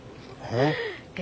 ええ。